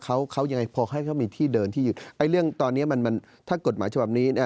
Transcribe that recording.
เขายังไงพอให้เขามีที่เดินที่อยู่เรื่องตอนนี้มันถ้ากฎหมายฉบับนี้